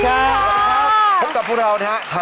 เปิดตัวเข้าแล้วไหมใช่ท่าน